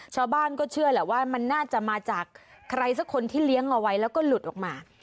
ชาวบ้านก็เชื่อแหละว่ามันน่าจะมาจากใครสักคนที่เลี้ยงเอาไว้แล้วก็หลุดออกมา